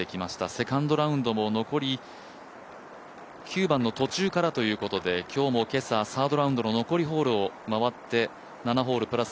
セカンドラウンドも９番の途中からということで今日も今朝、サードラウンドの残りホールを回って７ホールプラス